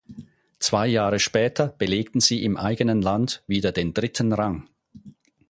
Zwei Jahre später belegten sie im eigenen Land wieder den dritten Rang.